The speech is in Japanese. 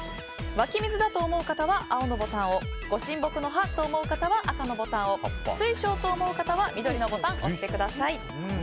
湧き水だと思う方は青のボタンをご神木の葉と思う方は赤のボタンを水晶と思う方は緑のボタンを押してください。